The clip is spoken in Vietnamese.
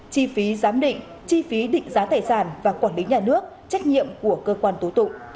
chi phí giám định chi phí định giá tài sản và quản lý nhà nước trách nhiệm của cơ quan tố tụ